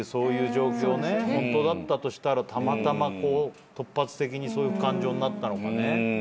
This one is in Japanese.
ホントだったとしたらたまたま突発的にそういう感情になったのかね。